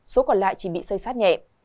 số còn lại chỉ bị xây sát nhẹ